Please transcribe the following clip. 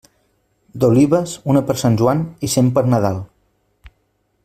D'olives, una per Sant Joan i cent per Nadal.